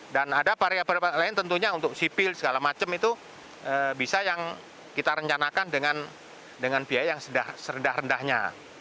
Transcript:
dan ada variabel lain tentunya untuk sipil segala macam itu bisa yang kita rencanakan dengan biaya yang serendah rendahnya